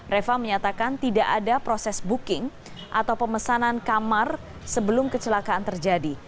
reva menyatakan tidak ada proses booking atau pemesanan kamar sebelum kecelakaan terjadi